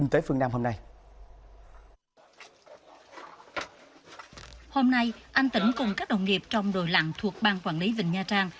hôm nay anh tỉnh cùng các đồng nghiệp trong đội lặng thuộc bang quản lý vịnh nha trang